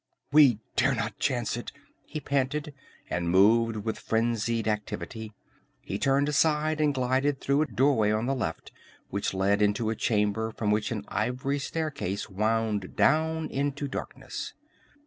"We dare not chance it," he panted, and moved with frenzied activity. He turned aside and glided through a doorway on the left which led into a chamber from which an ivory staircase wound down into darkness.